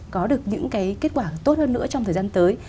có được những cái kết quả tốt hơn nữa trong thời gian tới